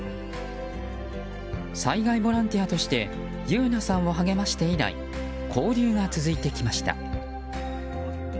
災害ボランティアとして侑奈さんを励まして以来交流が続いてきました。